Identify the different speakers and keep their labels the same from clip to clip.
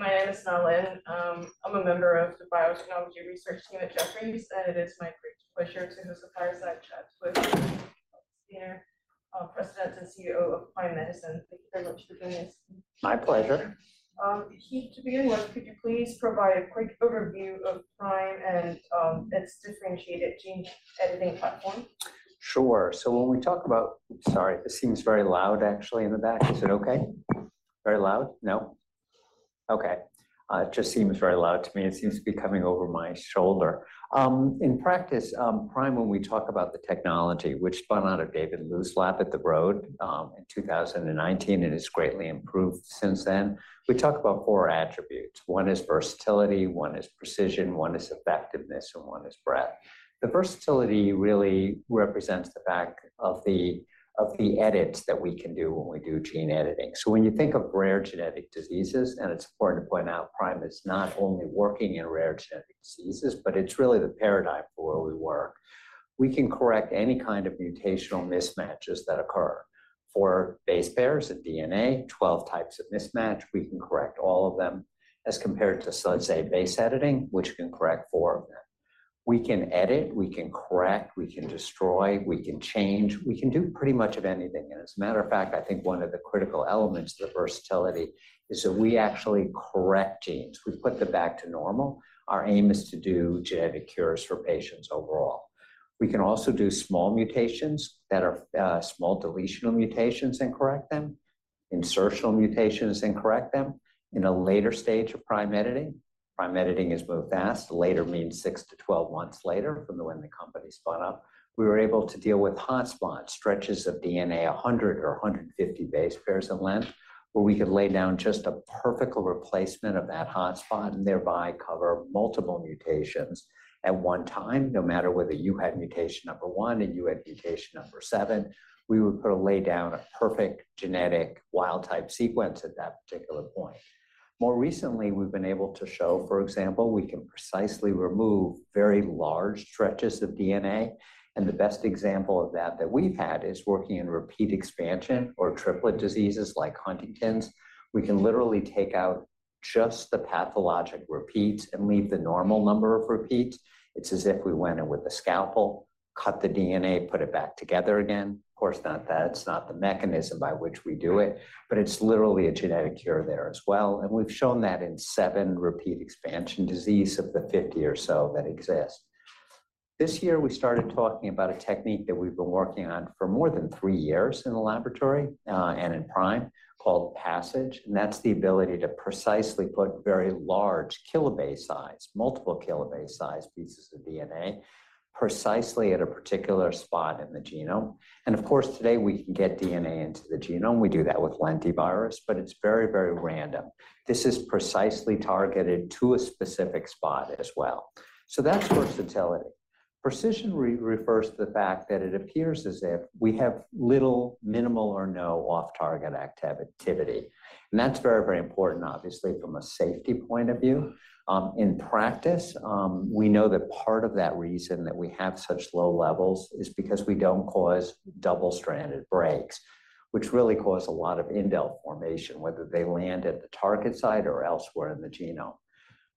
Speaker 1: My name is Kelly. I'm a member of the Biotechnology Research team at Jefferies, and it is my great pleasure to do a fireside chat with President and CEO of Prime Medicine. Thank you very much for doing this.
Speaker 2: My pleasure.
Speaker 1: To begin with, could you please provide a quick overview of Prime and its differentiated gene editing platform?
Speaker 2: Sure. So when we talk about—Sorry, this seems very loud, actually, in the back. Is it okay? Very loud? No. Okay. It just seems very loud to me. It seems to be coming over my shoulder. In practice, Prime, when we talk about the technology, which spun out of David Liu's lab at the Broad, in 2019, and has greatly improved since then, we talk about four attributes. One is versatility, one is precision, one is effectiveness, and one is breadth. The versatility really represents the fact of the, of the edits that we can do when we do gene editing. So when you think of rare genetic diseases, and it's important to point out, Prime is not only working in rare genetic diseases, but it's really the paradigm for where we work, we can correct any kind of mutational mismatches that occur. For base pairs of DNA, 12 types of mismatch, we can correct all of them, as compared to, say, base editing, which can correct 4 of them. We can edit, we can correct, we can destroy, we can change. We can do pretty much of anything, and as a matter of fact, I think one of the critical elements to the versatility is that we actually correct genes. We put them back to normal. Our aim is to do genetic cures for patients overall. We can also do small mutations that are small deletional mutations and correct them, insertional mutations and correct them. In a later stage of Prime Editing, Prime Editing is moved fast. Later means 6-12 months later from when the company spun up. We were able to deal with hotspot, stretches of DNA, 100 or 150 base pairs in length, where we could lay down just a perfect replacement of that hotspot and thereby cover multiple mutations at one time, no matter whether you had mutation number 1 and you had mutation number 7, we would lay down a perfect genetic wild-type sequence at that particular point. More recently, we've been able to show, for example, we can precisely remove very large stretches of DNA, and the best example of that, that we've had, is working in repeat expansion or triplet diseases like Huntington's. We can literally take out just the pathologic repeats and leave the normal number of repeats. It's as if we went in with a scalpel, cut the DNA, put it back together again. Of course, not that, it's not the mechanism by which we do it, but it's literally a genetic cure there as well, and we've shown that in seven repeat expansion diseases of the fifty or so that exist. This year, we started talking about a technique that we've been working on for more than three years in the laboratory and in Prime, called PASSIGE, and that's the ability to precisely put very large kilobase-size, multiple kilobase-size pieces of DNA, precisely at a particular spot in the genome. And of course, today, we can get DNA into the genome. We do that with lentivirus, but it's very, very random. This is precisely targeted to a specific spot as well. So that's versatility. Precision refers to the fact that it appears as if we have little, minimal, or no off-target activity, and that's very, very important, obviously, from a safety point of view. In practice, we know that part of that reason that we have such low levels is because we don't cause double-stranded breaks, which really cause a lot of indel formation, whether they land at the target site or elsewhere in the genome.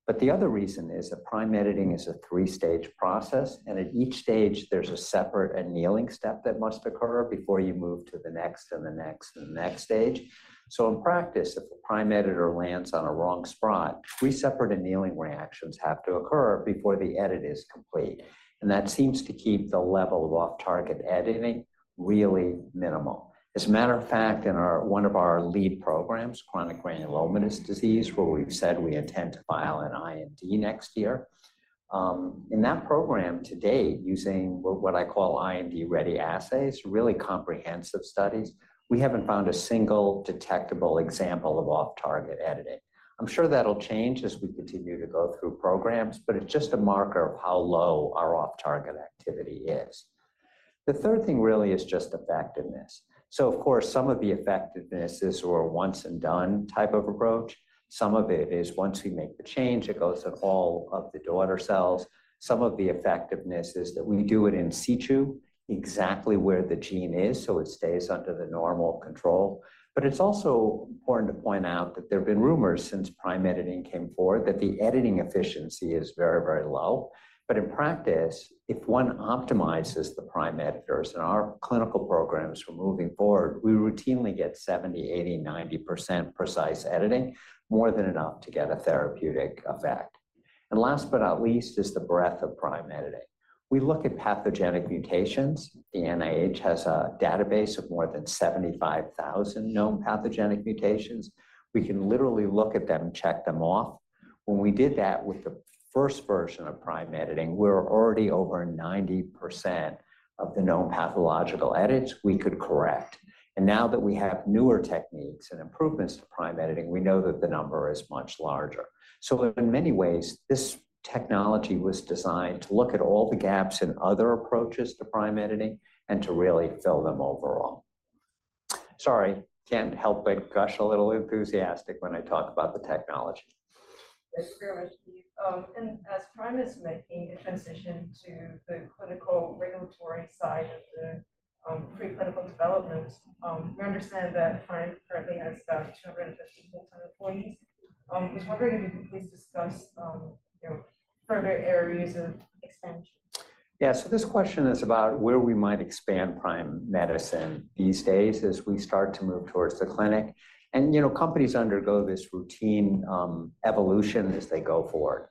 Speaker 2: But the other reason is that Prime Editing is a three-stage process, and at each stage, there's a separate annealing step that must occur before you move to the next, and the next, and the next stage. So in practice, if a Prime Editor lands on a wrong spot, three separate annealing reactions have to occur before the edit is complete, and that seems to keep the level of off-target editing really minimal. As a matter of fact, in our, one of our lead programs, chronic granulomatous disease, where we've said we intend to file an IND next year, in that program, to date, using what I call IND-ready assays, really comprehensive studies, we haven't found a single detectable example of off-target editing. I'm sure that'll change as we continue to go through programs, but it's just a marker of how low our off-target activity is. The third thing really is just effectiveness. So of course, some of the effectiveness is for a once and done type of approach. Some of it is once we make the change, it goes to all of the daughter cells. Some of the effectiveness is that we do it in situ, exactly where the gene is, so it stays under the normal control. But it's also important to point out that there have been rumors since Prime Editing came forward, that the editing efficiency is very, very low. But in practice, if one optimizes the Prime Editors in our clinical programs for moving forward, we routinely get 70%, 80%, 90% precise editing, more than enough to get a therapeutic effect. And last but not least, is the breadth of Prime Editing. We look at pathogenic mutations. The NIH has a database of more than 75,000 known pathogenic mutations. We can literally look at them and check them off. When we did that with the first version of Prime Editing, we're already over 90% of the known pathological edits we could correct. And now that we have newer techniques and improvements to Prime Editing, we know that the number is much larger. So in many ways, this technology was designed to look at all the gaps in other approaches to Prime Editing and to really fill them overall. Sorry, can't help but gush a little enthusiastic when I talk about the technology....
Speaker 1: Thank you very much, Keith. And as Prime is making a transition to the clinical regulatory side of the preclinical development, we understand that Prime currently has about 250 full-time employees. I was wondering if you could please discuss, you know, further areas of expansion?
Speaker 2: Yeah, so this question is about where we might expand Prime Medicine these days as we start to move towards the clinic. And, you know, companies undergo this routine evolution as they go forward.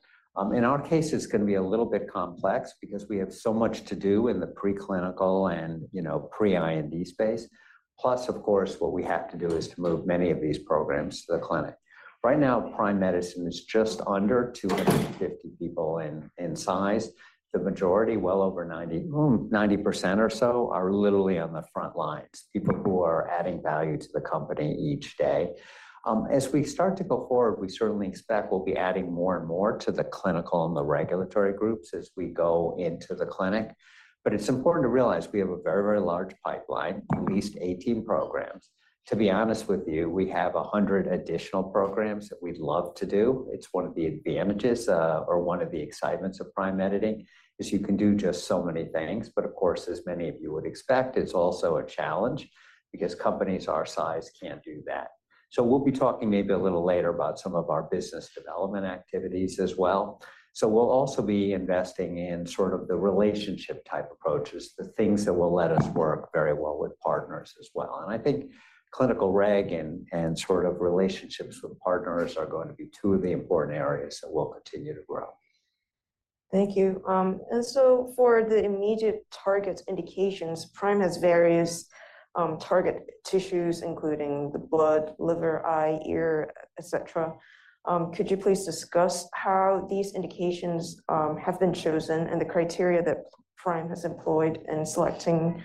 Speaker 2: In our case, it's gonna be a little bit complex because we have so much to do in the preclinical and, you know, pre-IND space. Plus, of course, what we have to do is to move many of these programs to the clinic. Right now, Prime Medicine is just under 250 people in size. The majority, well over 90% or so, are literally on the front lines, people who are adding value to the company each day. As we start to go forward, we certainly expect we'll be adding more and more to the clinical and the regulatory groups as we go into the clinic. But it's important to realize we have a very, very large pipeline, at least 18 programs. To be honest with you, we have 100 additional programs that we'd love to do. It's one of the advantages, or one of the excitements of Prime Editing, is you can do just so many things. But of course, as many of you would expect, it's also a challenge because companies our size can't do that. So we'll be talking maybe a little later about some of our business development activities as well. So we'll also be investing in sort of the relationship-type approaches, the things that will let us work very well with partners as well. I think clinical reg and sort of relationships with partners are going to be two of the important areas that will continue to grow.
Speaker 1: Thank you. And so for the immediate targets indications, Prime has various, target tissues, including the blood, liver, eye, ear, et cetera. Could you please discuss how these indications, have been chosen and the criteria that Prime has employed in selecting,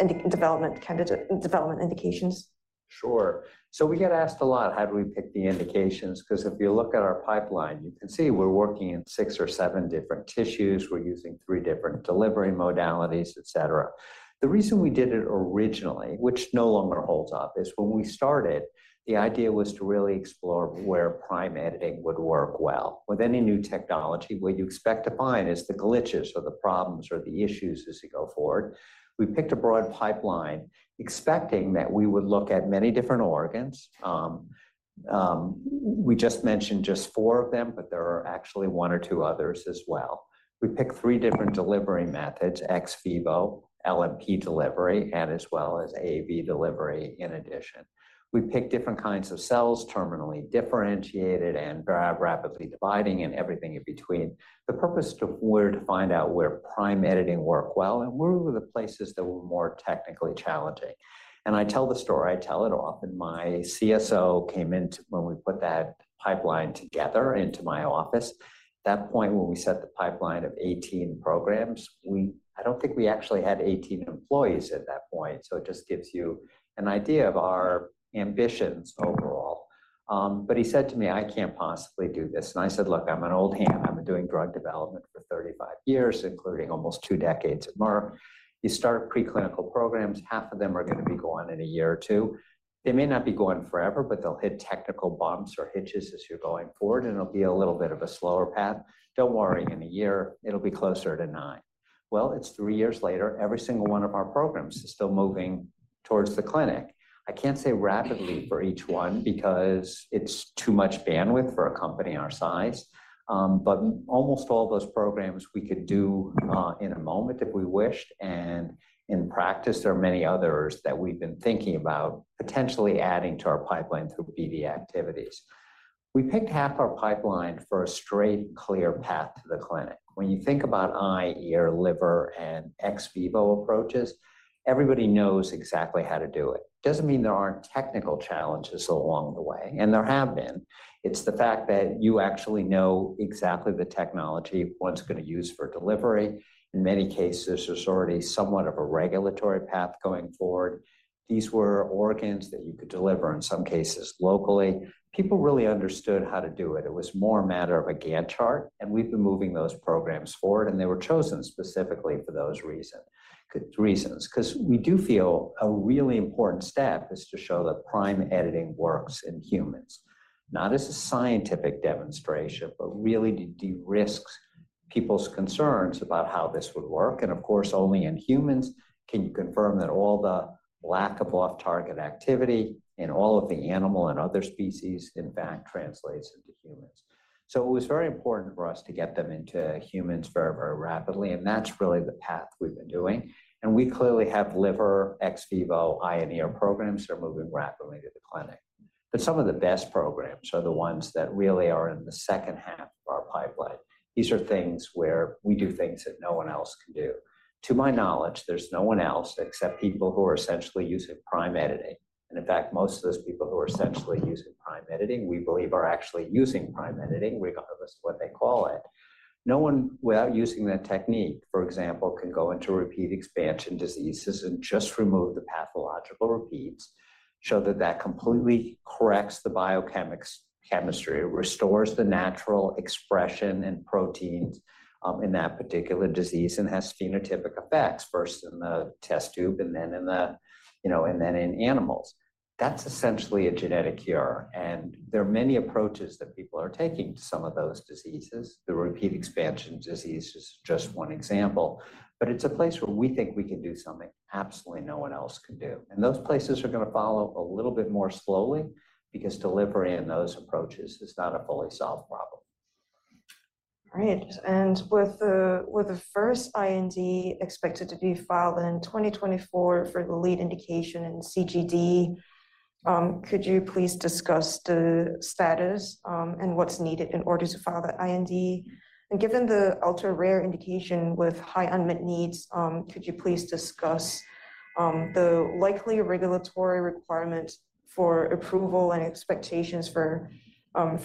Speaker 1: indications, development candidate, development indications?
Speaker 2: Sure. So we get asked a lot, how do we pick the indications? Because if you look at our pipeline, you can see we're working in 6 or 7 different tissues. We're using 3 different delivery modalities, et cetera. The reason we did it originally, which no longer holds up, is when we started, the idea was to really explore where Prime Editing would work well. With any new technology, what you expect to find is the glitches or the problems or the issues as you go forward. We picked a broad pipeline, expecting that we would look at many different organs. We just mentioned just 4 of them, but there are actually 1 or 2 others as well. We picked 3 different delivery methods, ex vivo, LNP delivery, and as well as AAV delivery, in addition. We picked different kinds of cells, terminally differentiated and rapidly dividing, and everything in between. The purpose were to find out where Prime Editing work well and where were the places that were more technically challenging. I tell the story, I tell it often. My CSO came in when we put that pipeline together, into my office. That point when we set the pipeline of 18 programs, I don't think we actually had 18 employees at that point, so it just gives you an idea of our ambitions overall. But he said to me, "I can't possibly do this." I said: Look, I'm an old hand. I've been doing drug development for 35 years, including almost two decades at Merck. You start preclinical programs, half of them are gonna be gone in a year or two. They may not be gone forever, but they'll hit technical bumps or hitches as you're going forward, and it'll be a little bit of a slower path. Don't worry, in a year, it'll be closer to 9. Well, it's 3 years later, every single one of our programs is still moving towards the clinic. I can't say rapidly for each one because it's too much bandwidth for a company our size. But almost all those programs we could do in a moment if we wished, and in practice, there are many others that we've been thinking about potentially adding to our pipeline through BD activities. We picked half our pipeline for a straight, clear path to the clinic. When you think about eye, ear, liver, and ex vivo approaches, everybody knows exactly how to do it. Doesn't mean there aren't technical challenges along the way, and there have been. It's the fact that you actually know exactly the technology, what it's gonna use for delivery. In many cases, there's already somewhat of a regulatory path going forward. These were organs that you could deliver, in some cases, locally. People really understood how to do it. It was more a matter of a Gantt chart, and we've been moving those programs forward, and they were chosen specifically for those reasons. Because we do feel a really important step is to show that Prime Editing works in humans, not as a scientific demonstration, but really derisks people's concerns about how this would work. And of course, only in humans can you confirm that all the lack of off-target activity in all of the animal and other species, in fact, translates into humans. It was very important for us to get them into humans very, very rapidly, and that's really the path we've been doing. We clearly have liver, ex vivo, eye, and ear programs that are moving rapidly to the clinic. But some of the best programs are the ones that really are in the second half of our pipeline. These are things where we do things that no one else can do. To my knowledge, there's no one else, except people who are essentially using Prime Editing, and in fact, most of those people who are essentially using Prime Editing, we believe, are actually using Prime Editing, regardless of what they call it. No one without using that technique, for example, can go into repeat expansion diseases and just remove the pathological repeats, show that that completely corrects the biochemistry, restores the natural expression and proteins, in that particular disease, and has phenotypic effects, first in the test tube, and then in the, you know, and then in animals. That's essentially a genetic cure, and there are many approaches that people are taking to some of those diseases. The repeat expansion disease is just one example, but it's a place where we think we can do something absolutely no one else can do. And those places are gonna follow a little bit more slowly because delivery in those approaches is not a fully solved problem....
Speaker 1: All right, and with the first IND expected to be filed in 2024 for the lead indication in CGD, could you please discuss the status, and what's needed in order to file the IND? And given the ultra-rare indication with high unmet needs, could you please discuss the likely regulatory requirements for approval and expectations for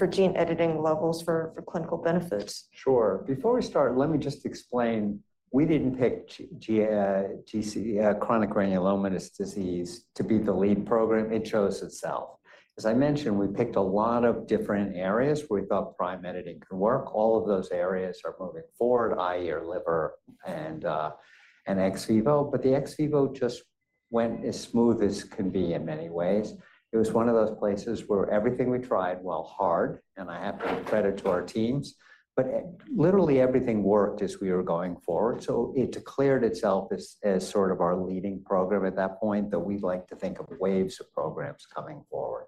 Speaker 1: gene editing levels for clinical benefits?
Speaker 2: Sure. Before we start, let me just explain, we didn't pick CGD, chronic granulomatous disease to be the lead program. It chose itself. As I mentioned, we picked a lot of different areas we thought Prime Editing could work. All of those areas are moving forward, eye or liver, and ex vivo. But the ex vivo just went as smooth as can be in many ways. It was one of those places where everything we tried, while hard, and I have to give credit to our teams, but literally everything worked as we were going forward. So it declared itself as sort of our leading program at that point, that we'd like to think of waves of programs coming forward.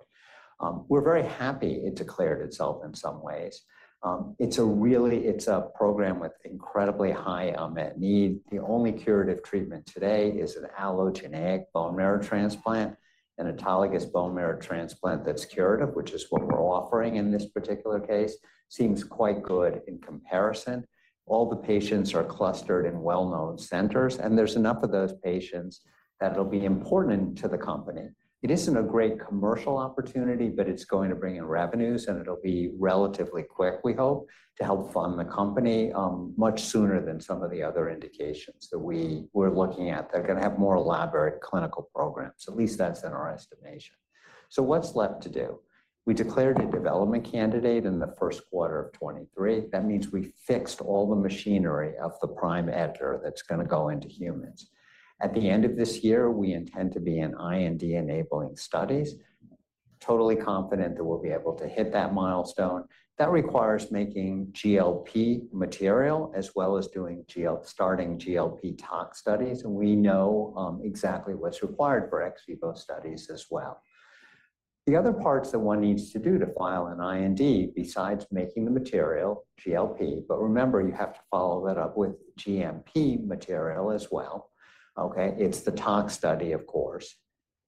Speaker 2: We're very happy it declared itself in some ways. It's a really, it's a program with incredibly high unmet need. The only curative treatment today is an allogeneic bone marrow transplant. An autologous bone marrow transplant that's curative, which is what we're offering in this particular case, seems quite good in comparison. All the patients are clustered in well-known centers, and there's enough of those patients that it'll be important to the company. It isn't a great commercial opportunity, but it's going to bring in revenues, and it'll be relatively quick, we hope, to help fund the company, much sooner than some of the other indications that we're looking at, that are gonna have more elaborate clinical programs. At least that's in our estimation. So what's left to do? We declared a development candidate in the first quarter of 2023. That means we fixed all the machinery of the Prime Editor that's gonna go into humans. At the end of this year, we intend to be in IND-enabling studies, totally confident that we'll be able to hit that milestone. That requires making GLP material, as well as doing GLP tox studies, and we know exactly what's required for ex vivo studies as well. The other parts that one needs to do to file an IND, besides making the material, GLP, but remember, you have to follow that up with GMP material as well, okay? It's the tox study, of course.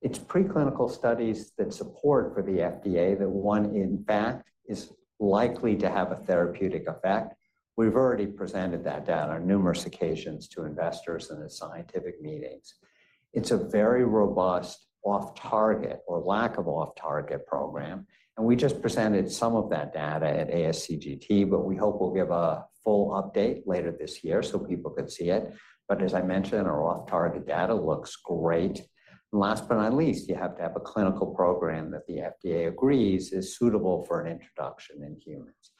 Speaker 2: It's preclinical studies that support for the FDA that one, in fact, is likely to have a therapeutic effect. We've already presented that data on numerous occasions to investors in the scientific meetings. It's a very robust off-target or lack of off-target program, and we just presented some of that data at ASGCT, but we hope we'll give a full update later this year so people can see it. But as I mentioned, our off-target data looks great. And last but not least, you have to have a clinical program that the FDA agrees is suitable for an introduction in humans.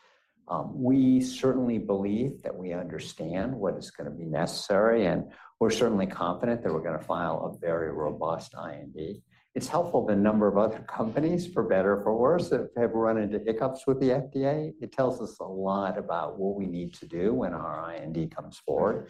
Speaker 2: We certainly believe that we understand what is gonna be necessary, and we're certainly confident that we're gonna file a very robust IND. It's helpful the number of other companies, for better or for worse, that have run into hiccups with the FDA. It tells us a lot about what we need to do when our IND comes forward.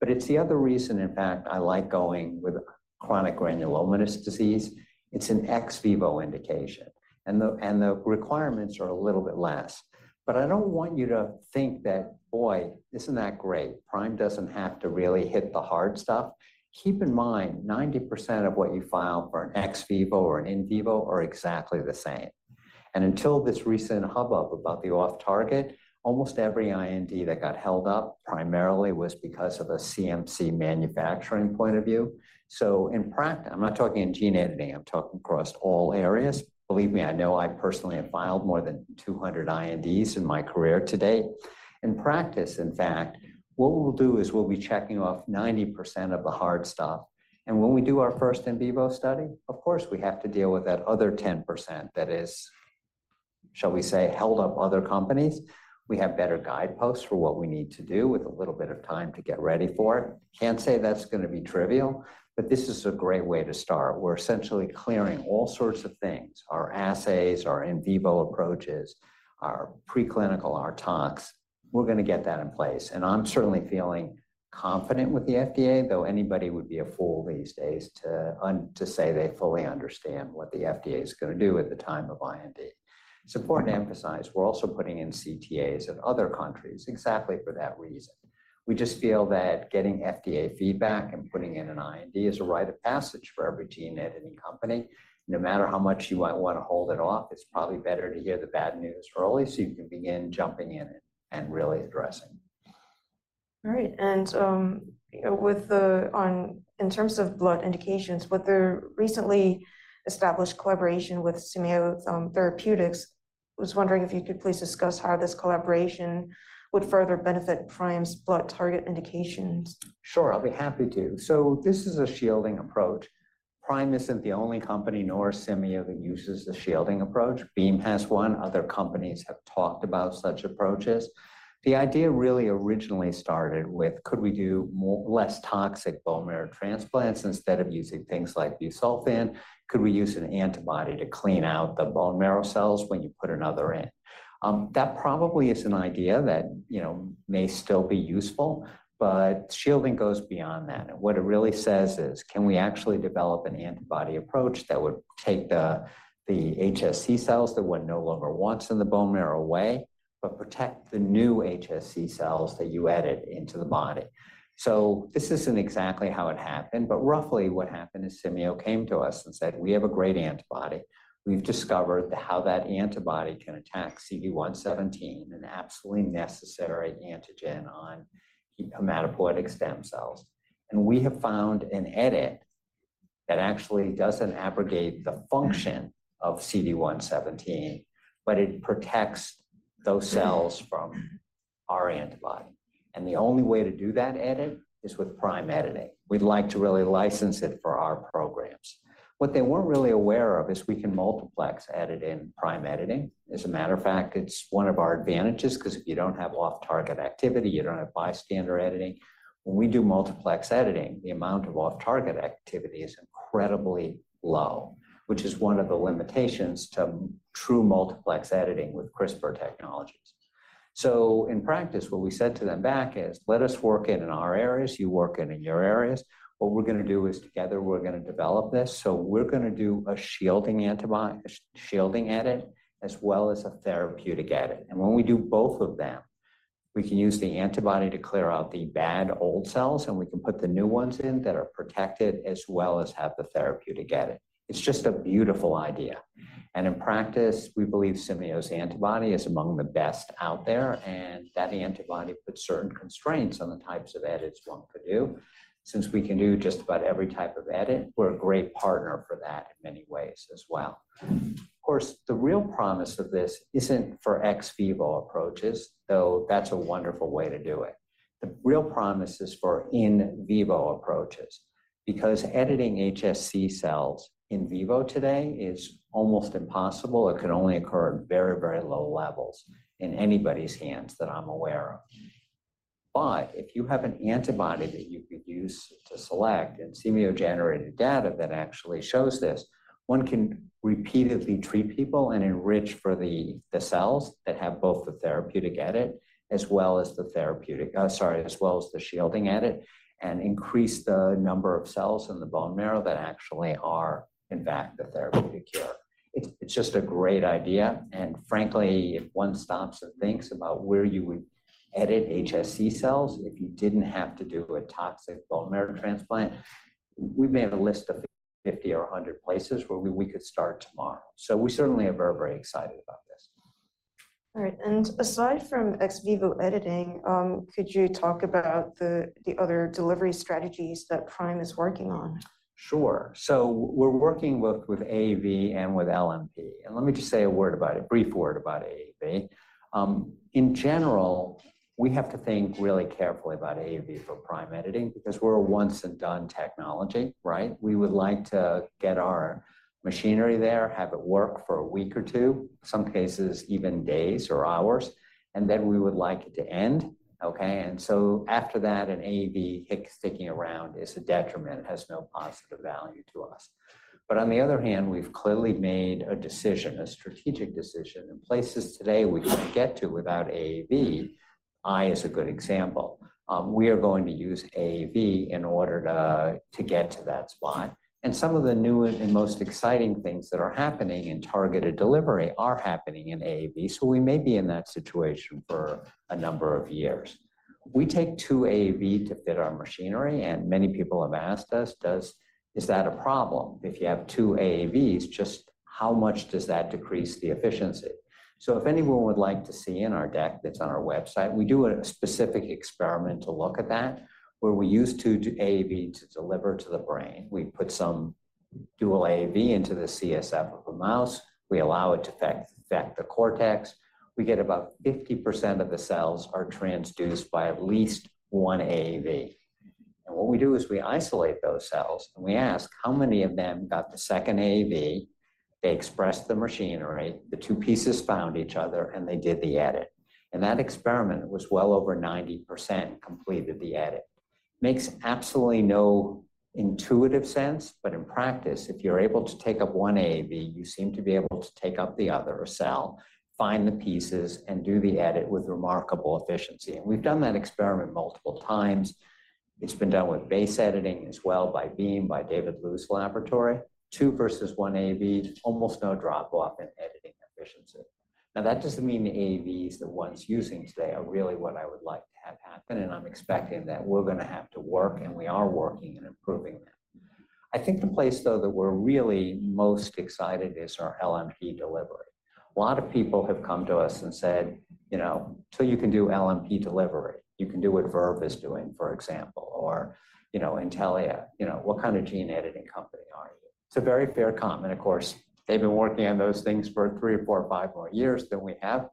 Speaker 2: But it's the other reason, in fact, I like going with chronic granulomatous disease. It's an ex vivo indication, and the requirements are a little bit less. But I don't want you to think that, boy, isn't that great? Prime doesn't have to really hit the hard stuff. Keep in mind, 90% of what you file for an ex vivo or an in vivo are exactly the same. And until this recent hubbub about the off-target, almost every IND that got held up primarily was because of a CMC manufacturing point of view. So in practice, I'm not talking in gene editing, I'm talking across all areas. Believe me, I know I personally have filed more than 200 INDs in my career to date. In practice, in fact, what we'll do is we'll be checking off 90% of the hard stuff, and when we do our first in vivo study, of course, we have to deal with that other 10% that is, shall we say, held up other companies. We have better guideposts for what we need to do with a little bit of time to get ready for it. Can't say that's gonna be trivial, but this is a great way to start. We're essentially clearing all sorts of things, our assays, our in vivo approaches, our preclinical, our tox. We're gonna get that in place, and I'm certainly feeling confident with the FDA, though anybody would be a fool these days to say they fully understand what the FDA is gonna do at the time of IND. It's important to emphasize, we're also putting in CTAs in other countries exactly for that reason. We just feel that getting FDA feedback and putting in an IND is a rite of passage for every gene editing company. No matter how much you might wanna hold it off, it's probably better to hear the bad news early, so you can begin jumping in it and really addressing.
Speaker 1: All right, and in terms of blood indications, with the recently established collaboration with Cimeio Therapeutics, I was wondering if you could please discuss how this collaboration would further benefit Prime's blood target indications?
Speaker 2: Sure, I'll be happy to. So this is a shielding approach. Prime isn't the only company, nor is Cimeio, that uses the shielding approach. Beam has one. Other companies have talked about such approaches. The idea really originally started with, could we do more less toxic bone marrow transplants instead of using things like busulfan? Could we use an antibody to clean out the bone marrow cells when you put another in? That probably is an idea that, you know, may still be useful, but shielding goes beyond that. And what it really says is, can we actually develop an antibody approach that would take the HSC cells that one no longer wants in the bone marrow away?... but protect the new HSC cells that you edit into the body. So this isn't exactly how it happened, but roughly what happened is Cimeio came to us and said, "We have a great antibody. We've discovered how that antibody can attack CD117, an absolutely necessary antigen on hematopoietic stem cells, and we have found an edit that actually doesn't abrogate the function of CD117, but it protects those cells from our antibody. And the only way to do that edit is with Prime Editing. We'd like to really license it for our programs." What they weren't really aware of is we can multiplex edit in Prime Editing. As a matter of fact, it's one of our advantages, 'cause if you don't have off-target activity, you don't have bystander editing. When we do multiplex editing, the amount of off-target activity is incredibly low, which is one of the limitations to true multiplex editing with CRISPR technologies. So in practice, what we said to them back is, "Let us work in our areas. You work in your areas. What we're gonna do is, together, we're gonna develop this. So we're gonna do a shielding edit, as well as a therapeutic edit. And when we do both of them, we can use the antibody to clear out the bad, old cells, and we can put the new ones in that are protected, as well as have the therapeutic edit." It's just a beautiful idea. And in practice, we believe Cimeio's antibody is among the best out there, and that antibody puts certain constraints on the types of edits one could do. Since we can do just about every type of edit, we're a great partner for that in many ways as well. Of course, the real promise of this isn't for ex vivo approaches, though that's a wonderful way to do it. The real promise is for in vivo approaches, because editing HSC cells in vivo today is almost impossible. It could only occur at very, very low levels in anybody's hands that I'm aware of. But if you have an antibody that you could use to select, and Cimeio-generated data that actually shows this, one can repeatedly treat people and enrich for the cells that have both the therapeutic edit as well as the shielding edit, and increase the number of cells in the bone marrow that actually are, in fact, the therapeutic cure. It's just a great idea, and frankly, if one stops and thinks about where you would edit HSC cells, if you didn't have to do a toxic bone marrow transplant, we may have a list of 50 or 100 places where we could start tomorrow. So we certainly are very excited about this.
Speaker 1: All right, aside from ex vivo editing, could you talk about the other delivery strategies that Prime is working on?
Speaker 2: Sure. So we're working with, with AAV and with LNP, and let me just say a word about it, a brief word about AAV. In general, we have to think really carefully about AAV for Prime Editing because we're a once-and-done technology, right? We would like to get our machinery there, have it work for a week or two, some cases, even days or hours, and then we would like it to end, okay? And so after that, an AAV vector sticking around is a detriment, it has no positive value to us. But on the other hand, we've clearly made a decision, a strategic decision, in places today we couldn't get to without AAV. Eye is a good example. We are going to use AAV in order to, to get to that spot. Some of the new and most exciting things that are happening in targeted delivery are happening in AAV, so we may be in that situation for a number of years. We take two AAV to fit our machinery, and many people have asked us, "Does... Is that a problem? If you have two AAVs, just how much does that decrease the efficiency?" If anyone would like to see in our deck that's on our website, we do a specific experiment to look at that, where we use two AAV to deliver to the brain. We put some dual AAV into the CSF of a mouse. We allow it to infect the cortex. We get about 50% of the cells are transduced by at least one AAV. What we do is we isolate those cells, and we ask, how many of them got the second AAV? They expressed the machinery, the two pieces found each other, and they did the edit. And that experiment was well over 90% completed the edit. Makes absolutely no intuitive sense, but in practice, if you're able to take up one AAV, you seem to be able to take up the other cell, find the pieces, and do the edit with remarkable efficiency. And we've done that experiment multiple times. It's been done with base editing as well by Beam, by David Liu's laboratory. Two versus one AAV, almost no drop-off in editing efficiency. Now, that doesn't mean the AAVs, the ones using today, are really what I would like to have happen, and I'm expecting that we're gonna have to work, and we are working and improving them. I think the place, though, that we're really most excited is our LNP delivery. A lot of people have come to us and said, "You know, so you can do LNP delivery. You can do what Verve is doing, for example, or, you know, Intellia. You know, what kind of gene-editing company are you?" It's a very fair comment. Of course, they've been working on those things for 3 or 4 or 5 more years than we have.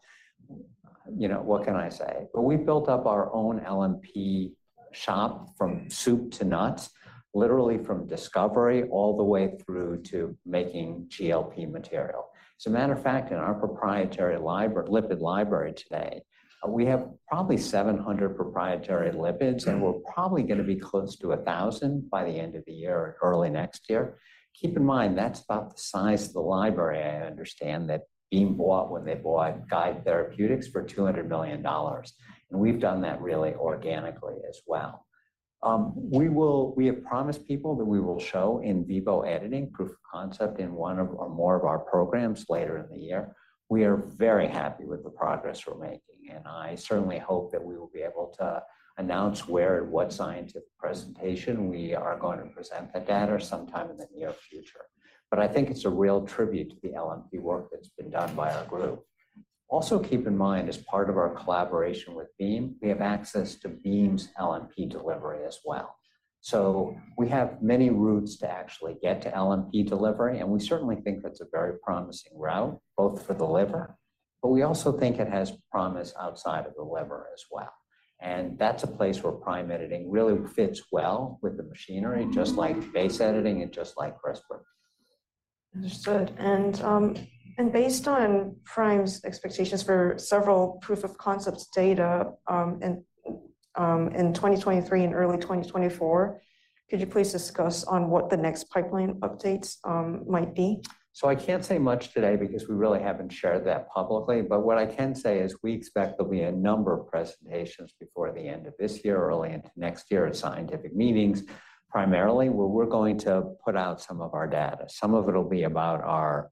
Speaker 2: You know, what can I say? But we've built up our own LNP shop from soup to nuts, literally from discovery all the way through to making GLP material. As a matter of fact, in our proprietary lipid library today, we have probably 700 proprietary lipids, and we're probably gonna be close to 1,000 by the end of the year or early next year. Keep in mind, that's about the size of the library I understand that Beam bought when they bought Guide Therapeutics for $200 million, and we've done that really organically as well.... We will, we have promised people that we will show in vivo editing, proof of concept in one of, or more of our programs later in the year. We are very happy with the progress we're making, and I certainly hope that we will be able to announce where and what scientific presentation we are going to present the data sometime in the near future. But I think it's a real tribute to the LNP work that's been done by our group. Also, keep in mind, as part of our collaboration with Beam, we have access to Beam's LNP delivery as well. So we have many routes to actually get to LNP delivery, and we certainly think that's a very promising route, both for the liver, but we also think it has promise outside of the liver as well. And that's a place where Prime Editing really fits well with the machinery, just like base editing and just like CRISPR.
Speaker 1: Understood. Based on Prime's expectations for several proof of concepts data in 2023 and early 2024, could you please discuss on what the next pipeline updates might be?
Speaker 2: So I can't say much today because we really haven't shared that publicly, but what I can say is we expect there'll be a number of presentations before the end of this year, early into next year at scientific meetings. Primarily, where we're going to put out some of our data. Some of it'll be about our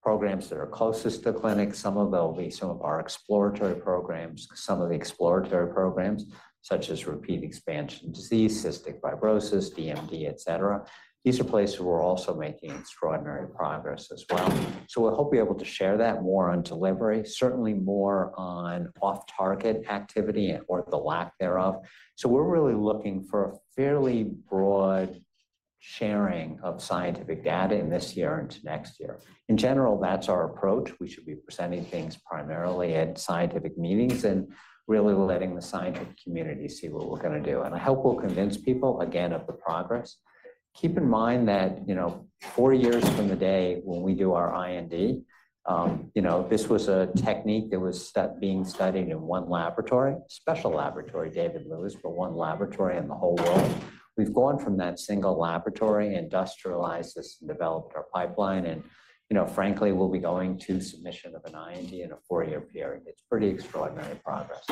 Speaker 2: programs that are closest to clinic, some of them will be some of our exploratory programs. Some of the exploratory programs, such as repeat expansion disease, cystic fibrosis, DMD, etc. These are places where we're also making extraordinary progress as well. So we hope to be able to share that more on delivery, certainly more on off-target activity and/or the lack thereof. So we're really looking for a fairly broad sharing of scientific data in this year into next year. In general, that's our approach. We should be presenting things primarily at scientific meetings and really letting the scientific community see what we're gonna do. And I hope we'll convince people, again, of the progress. Keep in mind that, you know, four years from today, when we do our IND, you know, this was a technique that was being studied in one laboratory, special laboratory, David Liu, but one laboratory in the whole world. We've gone from that single laboratory, industrialized this, and developed our pipeline, and, you know, frankly, we'll be going to submission of an IND in a four-year period. It's pretty extraordinary progress.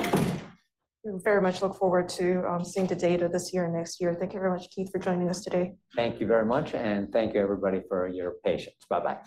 Speaker 1: We very much look forward to seeing the data this year and next year. Thank you very much, Keith, for joining us today.
Speaker 2: Thank you very much, and thank you, everybody, for your patience. Bye-bye.